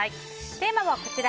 テーマは、こちら。